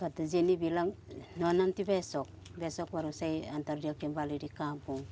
waktu jenny bilang nanti besok besok baru saya antar dia kembali di kampung